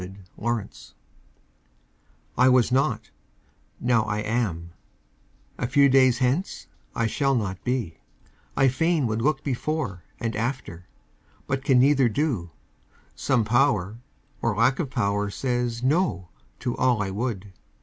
THE MYSTERY I was not; now I am a few days hence I shall not be; I fain would look before And after, but can neither do; some Power Or lack of power says "no" to all I would.